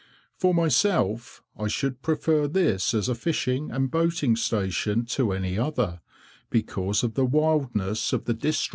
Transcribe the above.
For myself, I should prefer this as a fishing and boating station, to any other, because of the wildness of the district.